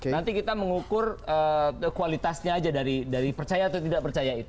nanti kita mengukur kualitasnya aja dari percaya atau tidak percaya itu